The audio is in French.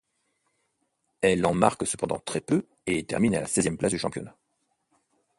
Elle en marque cependant très peu et termine à la seizième place du championnat.